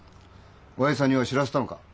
親父さんには知らせたのか？